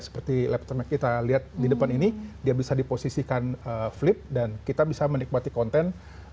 seperti laptop kita lihat di depan ini dia bisa diposisikan flip dan kita bisa menikmati konten